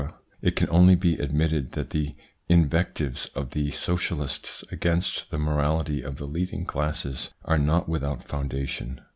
it can only be admitted that the invectives of the Socialists against the morality of the leading classes are not without foundation.